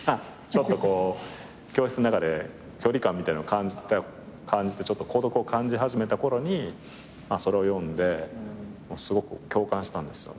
ちょっとこう教室の中で距離感みたいのを感じた感じでちょっと孤独を感じ始めたころにそれを読んですごく共感したんですよね。